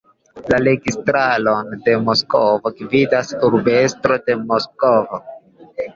La Registaron de Moskvo gvidas Urbestro de Moskvo.